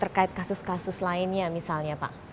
terkait kasus kasus lainnya misalnya pak